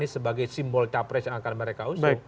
sebagai simbol capres yang akan mereka unjuk